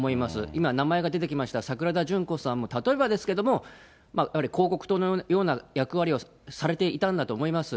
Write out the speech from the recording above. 今、名前が出てきました桜田淳子さんも例えばですけども、やっぱり広告塔のような役割をされていたんだと思います。